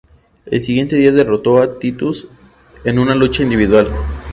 El siguiente día derrotó a Titus en una lucha individual.